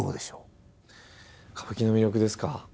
歌舞伎の魅力ですか。